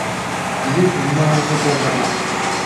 D lekdeb ma ur tugadeḍ ara!